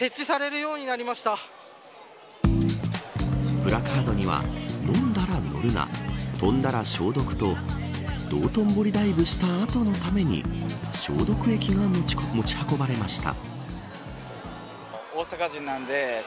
プラカードには飲んだら乗るな、飛んだら消毒と道頓堀ダイブした後のために消毒液が持ち運ばれました。